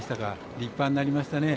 立派になりましたね。